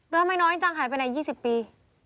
แล้วไม่น้อยจังหายไปไหนยี่สิบปี